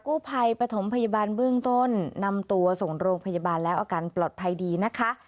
กู้ภัยปฐมพยาบาลเบื้องต้นนำตัวส่งโรงพยาบาลแล้วอาการปลอดภัยดีนะคะ